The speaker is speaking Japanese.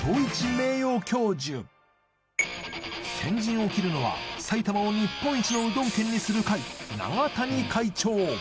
名誉教授先陣を切るのは埼玉を日本一のうどん県にする会永谷会長